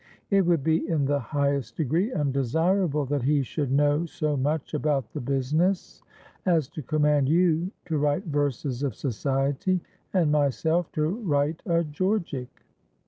But it would be in the highest degree undesirable that he should know so much about the business as to command you to write verses of society, and myself to write a Georgic.